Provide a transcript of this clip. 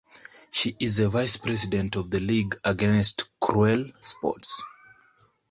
She is a vice-president of the League Against Cruel Sports.